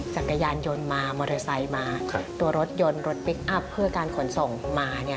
จักรยานยนต์มามอเตอร์ไซค์มาตัวรถยนต์รถพลิกอัพเพื่อการขนส่งมาเนี่ย